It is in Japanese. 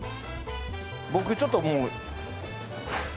僕ちょっともう。